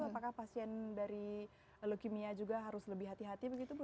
apakah pasien dari leukemia juga harus lebih hati hati begitu bu